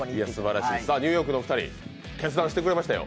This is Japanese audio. ニューヨークのお二人、決断してくれましたよ。